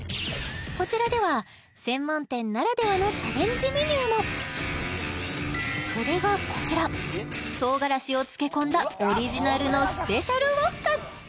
こちらでは専門店ならではのチャレンジメニューもそれがこちら唐辛子を漬け込んだオリジナルのスペシャルウォッカ